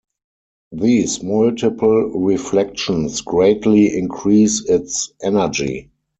These multiple reflections greatly increase its energy.